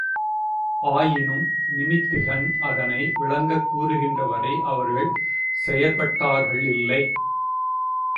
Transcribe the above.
ஆயினும் நிமித்திகன் அதனை விளங்கக் கூறுகின்றவரை அவர்கள் செயற்பட்டார்களில்லை.